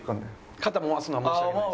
肩揉ますのは申し訳ないです。